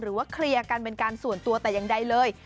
หรือว่าเคลียร์กันเป็นการส่วนตัวแต่อย่างใดเลย